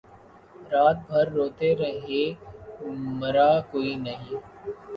رات بھر روتے رہے مرا کوئی نہیں